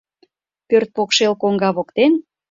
Пӧрт покшел коҥга воктен.